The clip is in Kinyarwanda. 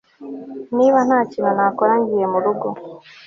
Niba ntakindi nakora ngiye murugo